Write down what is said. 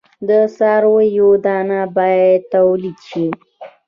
د څارویو دانه باید تولید شي.